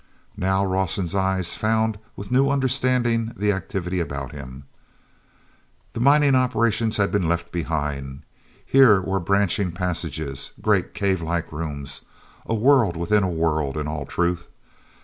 Now Rawson's eyes found with new understanding the activity about him. The mining operations had been left behind. Here were branching passages, great cavelike rooms—a world within a world, in all truth.